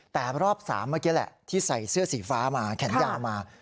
แต่รอบ๓เมื่อกี้แหละที่ใส่เสื้อสีฟ้ามาแขนยาวมา